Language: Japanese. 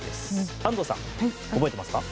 安藤さん覚えていますか？